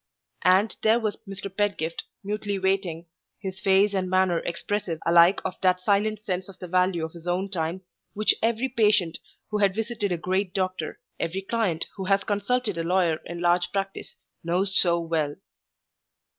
And there was Mr. Pedgift mutely waiting; his face and manner expressive alike of that silent sense of the value of his own time which every patient who has visited a great doctor, every client who has consulted a lawyer in large practice, knows so well.